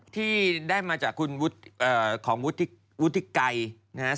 ที่ได้มาจากคุณวุทิกาย